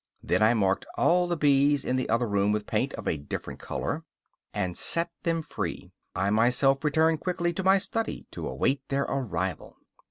Then I marked all the bees in the other room with paint of a different color, and set them free; I myself returned quickly to my study, to await their arrival.